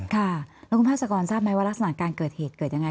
ค่ะแล้วคุณภาษากรทราบไหมว่ารักษณะการเกิดเหตุเกิดยังไง